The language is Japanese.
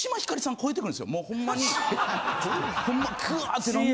もうホンマにホンマぐわぁ！って飲んで。